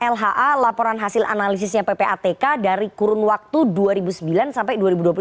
lha laporan hasil analisisnya ppatk dari kurun waktu dua ribu sembilan sampai dua ribu dua puluh tiga